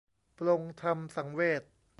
ปลงธรรมสังเวช